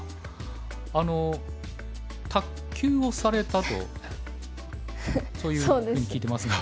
あの卓球をされたとそういうふうに聞いてますが。